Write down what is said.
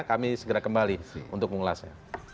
kami segera kembali untuk mengulasnya